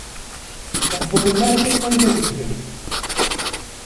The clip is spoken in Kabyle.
Wwḍen armi qrib ad mmten.